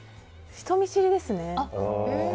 人見知りですね。